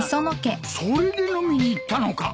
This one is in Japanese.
それで飲みに行ったのか！